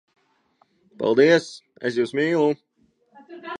Paldies! Es jūs mīlu!